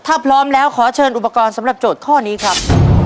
ถ้าพร้อมแล้วขอเชิญอุปกรณ์สำหรับโจทย์ข้อนี้ครับ